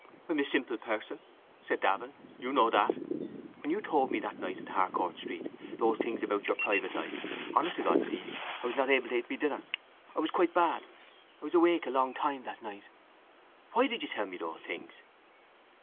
_ —I'm a simple person, said Davin. You know that. When you told me that night in Harcourt Street those things about your private life, honest to God, Stevie, I was not able to eat my dinner. I was quite bad. I was awake a long time that night. Why did you tell me those things?